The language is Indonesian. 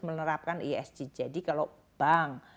menerapkan esg jadi kalau bank